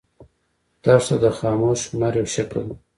دښته د خاموش هنر یو شکل دی.